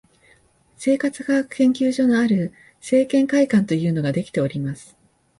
生活科学研究所のある生研会館というのができております